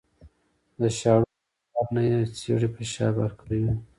د شاړوبېک غر نه یې څېړۍ په شا بار کړې وې